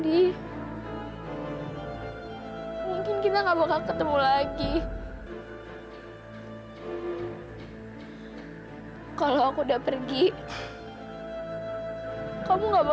ih astaga uksen tuh udah sampe disappeared ini bru